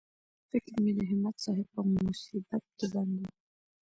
فکر مې د همت صاحب په مصیبت کې بند و.